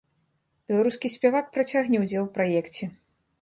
Беларускі спявак працягне ўдзел у праекце.